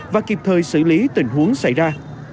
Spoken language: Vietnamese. và kịp thời xử lý tình huống xảy ra